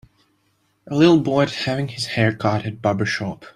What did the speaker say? A little boy at having his haircut at a barber shop